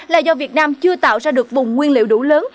là do việt nam chưa tạo ra được vùng nguyên liệu đủ lớn